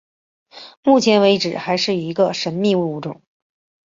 目前为止还是一个神秘的物种。